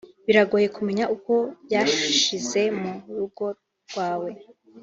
biragoye kumenya ko byashize mu rugo rwawe